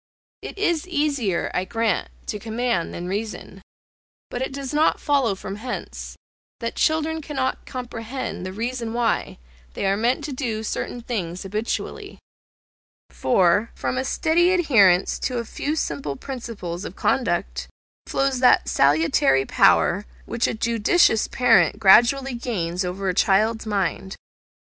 It is easier, I grant, to command than reason; but it does not follow from hence, that children cannot comprehend the reason why they are made to do certain things habitually; for, from a steady adherence to a few simple principles of conduct flows that salutary power, which a judicious parent gradually gains over a child's mind.